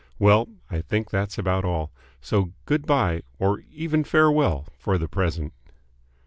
Well. I think that's about all. So good bye or even farewell for the present.